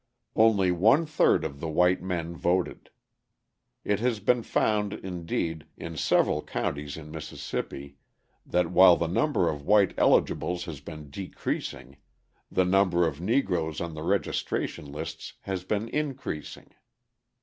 Only one third of the white men voted. It has been found, indeed, in several counties in Mississippi, that while the number of white eligibles has been decreasing, the number of Negroes on the registration lists has been increasing.